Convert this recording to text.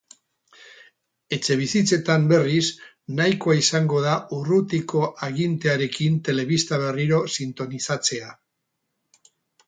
Etxebizitzetan, berriz, nahikoa izango da urrutiko agintearekin telebista berriro sintonizatzea.